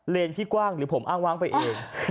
พี่กว้างหรือผมอ้างว้างไปเอง